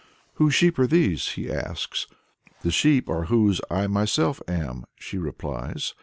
"Whose sheep are these?" he asks. "The sheep are his whose I myself am," she replies.